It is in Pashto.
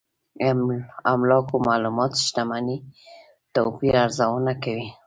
املاکو معلومات شتمنۍ توپير ارزونه کوي.